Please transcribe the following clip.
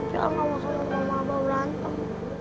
kakila gak mau sama mama berantem